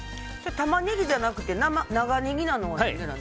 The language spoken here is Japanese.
タマネギじゃなくて長ネギなのは何で？